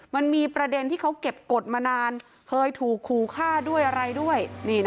มันมีประเด็นที่เขาเก็บกฎมานานเคยถูกขู่ฆ่าด้วยอะไรด้วย